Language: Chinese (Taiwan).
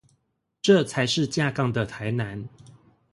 這才是正港的台南